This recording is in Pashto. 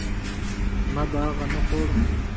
ما به هغه نه خوړ.